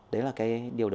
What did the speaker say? đấy là cái điều đó